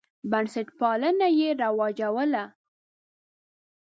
بنسټپالنه یې رواجوله.